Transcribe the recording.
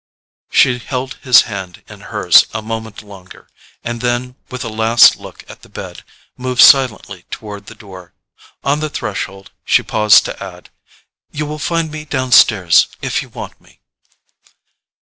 She held his hand in hers a moment longer, and then, with a last look at the bed, moved silently toward the door. On the threshold she paused to add: "You will find me downstairs if you want me."